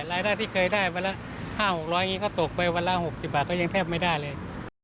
รายได้ที่เคยได้วันละ๕๖๐๐อย่างนี้ก็ตกไปวันละ๖๐บาทก็ยังแทบไม่ได้เลย